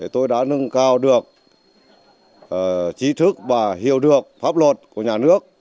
tôi đã nâng cao được trí thức và hiểu được pháp luật của nhà nước